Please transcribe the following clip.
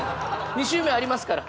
２周目ありますから。